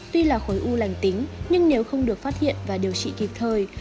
tuy là khối u lành tính nhưng nếu không được phát hiện và điều trị kịp thời